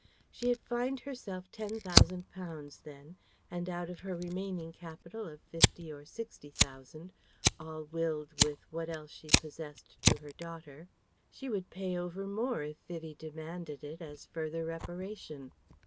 She had fined herself Ten Thousand pounds then; and out of her remaining capital of Fifty or Sixty thousand (all willed with what else she possessed to her daughter) she would pay over more if Vivie demanded it as further reparation.